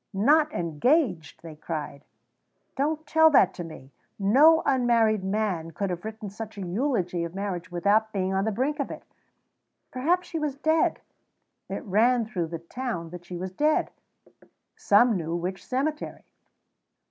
"Not engaged!" they cried. "Don't tell that to me. No unmarried man could have written such a eulogy of marriage without being on the brink of it." Perhaps she was dead? It ran through the town that she was dead. Some knew which cemetery.